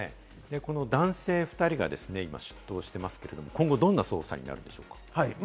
男性２人が今、出頭していますけれども、今後どんな捜査になりそうでしょうか？